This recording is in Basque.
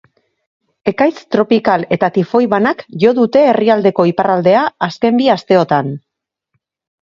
Ekaitz tropikal eta tifoi banak jo dute herrialdeko iparraldea azken bi asteotan.